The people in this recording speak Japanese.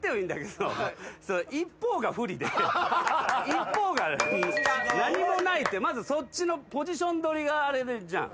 一方が何もないってまずそっちのポジション取りがあれじゃん。